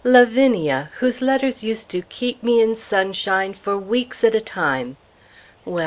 Lavinia, whose letters used to keep me in sunshine for weeks at a time! Well!